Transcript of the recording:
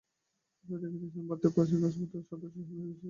আপনারা দেখিতেছেন, ভারতে প্রাচীন রাজকন্যাগণের যথেষ্ট স্বাধীনতা ছিল।